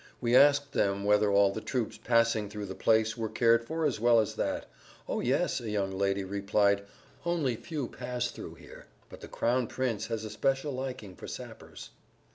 We asked them whether all the troops passing through the place were cared for as well as that. "O yes," a young[Pg 147] lady replied; "only few pass through here, but the Crown Prince has a special liking for sappers."